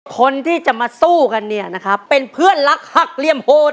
คนที่จะมาสู้กันเนี่ยนะครับเป็นเพื่อนรักหักเหลี่ยมโหด